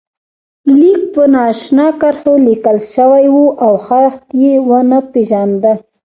لیک په نا آشنا کرښو لیکل شوی و او خط یې و نه پېژانده.